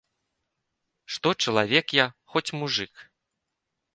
Што чалавек я, хоць мужык.